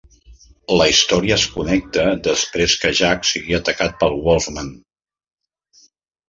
La història es connecta després que Jack sigui atacat per Wolfman.